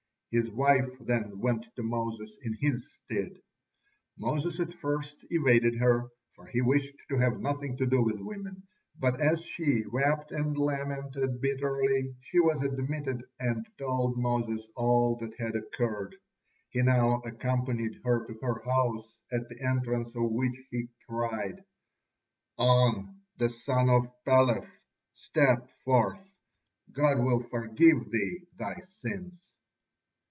His wife then went to Moses in his stead. Moses at first evaded her, for he wished to have nothing to do with women, but as she wept and lamented bitterly, she was admitted and told Moses all that had occurred. He now accompanied her to her house, at the entrance of which he cried: "On, the son of Peleth, step forth, God will forgive thee thy sins."